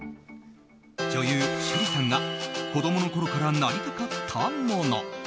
女優・趣里さんが子供のころからなりたかったもの。